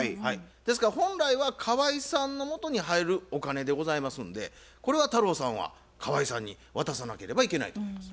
ですから本来は河井さんのもとに入るお金でございますのでこれは太郎さんは河井さんに渡さなければいけないと思います。